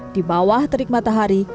di bawah terik matahari